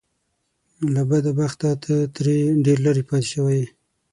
له بده بخته ته ترې ډېر لرې پاتې شوی يې .